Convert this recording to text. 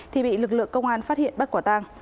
thì bị lực lượng công an phát hiện bắt quả tang